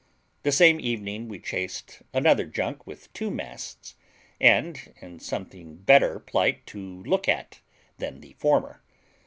The same evening we chased another junk with two masts, and in something better plight to look at than the former.